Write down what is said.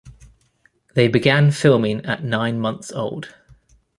They began filming at nine months old.